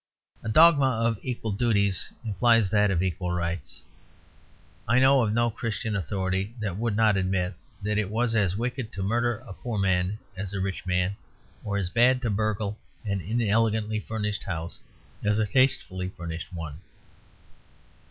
A dogma of equal duties implies that of equal rights. I know of no Christian authority that would not admit that it is as wicked to murder a poor man as a rich man, or as bad to burgle an inelegantly furnished house as a tastefully furnished one.